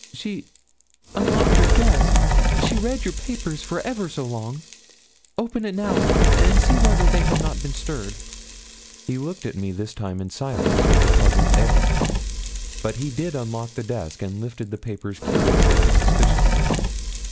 'She unlocked your desk; she read your papers for ever so long. Open it now, and see whether they have not been stirred.' He looked at me this time in silence, with a puzzled air; but he did unlock the desk, and lifted the papers curiously and suspiciously.